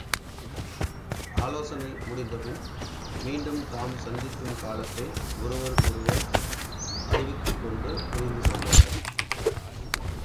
ஆலோசனை முடிந்தபின் மீண்டும் தாம் சந்திக்கும் காலத்தை ஒருவருக்கொருவர் அறிவித்துக் கொண்டு பிரிந்து சென்றனர்.